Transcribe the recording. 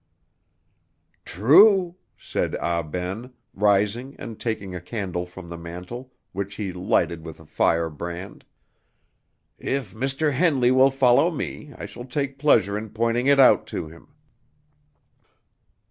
"True," said Ah Ben, rising and taking a candle from the mantel, which he lighted with a firebrand; "if Mr. Henley will follow me, I shall take pleasure in pointing it out to him."